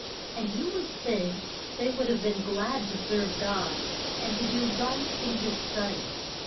] And you would think they would have been glad to serve God, and to do right in his sight.